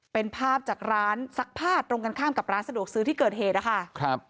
เป็นภาพจากร้านซักผ้าตรงกันข้ามกับร้านสะดวกซื้อที่เกิดเหตุนะคะครับ